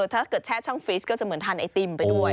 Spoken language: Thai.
ถ้าเกิดแช่ช่องฟิสก็จะเหมือนทานไอติมไปด้วย